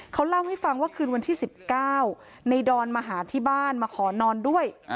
เขาเล่าให้ฟังว่าคืนวันที่๑๙ในดอนมาหาที่บ้านมาขอนอนด้วย